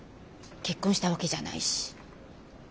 結婚したわけじゃないし。